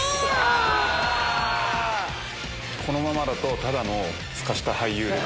このままだとただのすかした俳優。